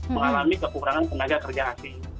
mengalami kekurangan tenaga kerja asing